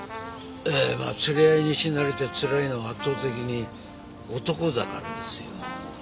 ええまあ連れ合いに死なれてつらいのは圧倒的に男だからですよ。